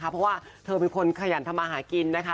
เพราะว่าเธอเป็นคนขยันทำมาหากินนะคะ